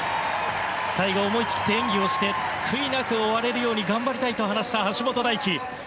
最後、思い切って演技をして悔いなく終われるように頑張りたいと話した橋本大輝。